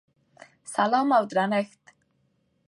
سلام او درنښت!!!